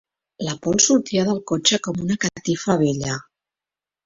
La pols sortia del cotxe com una catifa vella